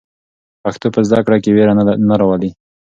پښتو په زده کړه کې وېره نه راولي.